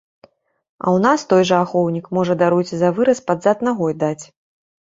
А ў нас той жа ахоўнік можа, даруйце за выраз, пад зад нагой даць.